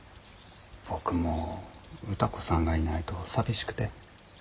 僕も歌子さんがいないと寂しくて。